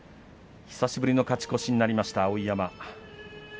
久しぶりの勝ち越しになりました、碧山。